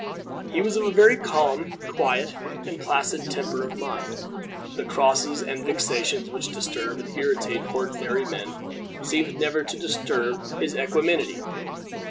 He was of a very calm, quiet, and placid temper of mind. The crosses and vexations which disturb and irritate ordinary men seemed never to disturb his equanimity.